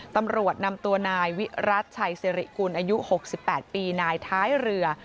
ตำรวจนำตัวนายวิรัติชัยสิริกุลอายุ๖๘ปีนายท้ายเรือ